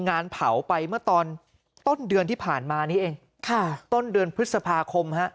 งานเผาไปเมื่อตอนต้นเดือนที่ผ่านมานี้เองค่ะต้นเดือนพฤษภาคมฮะ